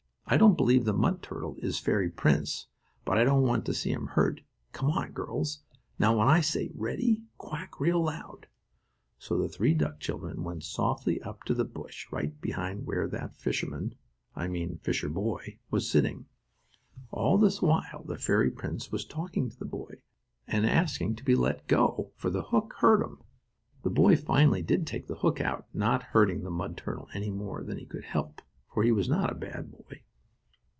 I don't believe the mud turtle is fairy prince, but I don't want to see him hurt. Come on, girls. Now when I say: 'ready,' quack real loud." So the three duck children went softly up to a bush right behind where that fisherman I mean fisherboy was sitting. All this while the fairy prince was talking to the boy, and asking to be let go, for the hook hurt him. The boy finally did take the hook out, not hurting the mud turtle any more than he could help, for he was not a bad boy.